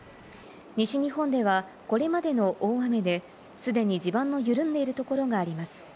西日本ではこれまでの大雨で既に地盤の緩んでいるところがあります。